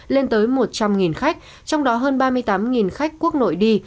lên tới một trăm linh khách trong đó hơn ba mươi tám khách quốc nội đi